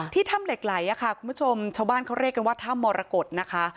ถ้ำเหล็กไหลค่ะคุณผู้ชมชาวบ้านเขาเรียกกันว่าถ้ำมรกฏนะคะ